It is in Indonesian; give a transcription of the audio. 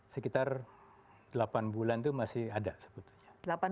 sekitar delapan bulan itu masih ada sebetulnya